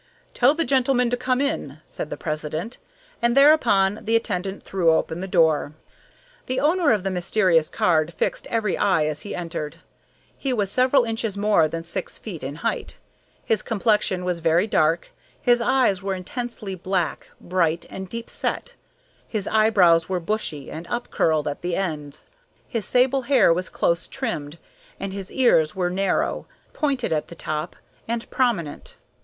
"Tell the gentleman to come in," said the president, and thereupon the attendant threw open the door. The owner of the mysterious card fixed every eye as he entered. He was several inches more than six feet in height. His complexion was very dark, his eyes were intensely black, bright, and deep set, his eyebrows were bushy and up curled at the ends, his sable hair was close trimmed, and his ears were narrow, pointed at the top, and prominent.